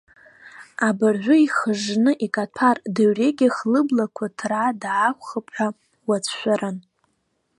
Абыржәы ихыжжны икаҭәар, дырҩегьых лыблақәа ҭраа даақәхап ҳәа уацәшәарын.